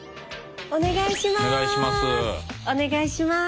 お願いします。